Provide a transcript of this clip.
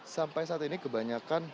sampai saat ini kebanyakan